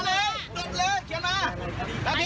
เริ่มสการ